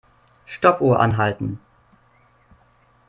Stoppuhr anhalten.